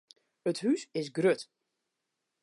It hûs is grut.